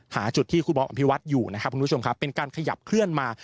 หาจุดที่คุณบอภิวัตรอยู่นะครับคุณผู้ชมครับเป็นการขยับเคลื่อนมา